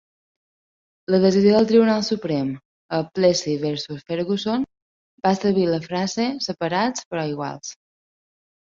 La decisió del Tribunal Suprem a "Plessy versus Ferguson" va establir la frase "separats però iguals".